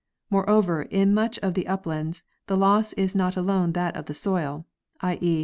Moreover, in much of the up lands the loss is not alone that of the soil, 7. e.